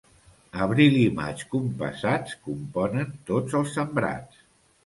Abril i maig compassats componen tots els sembrats.